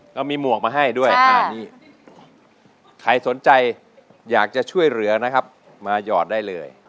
ก็มีหมวกมาให้ด้วยนี่ใครสนใจอยากจะช่วยเหลือนะครับมาหยอดได้เลย